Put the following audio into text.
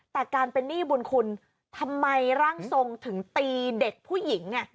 แต่การเป็นหนี้บุญคุณทำไมร่างทรงถึงตีเด็กผู้หญิงเนี่ย